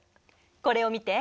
これを見て。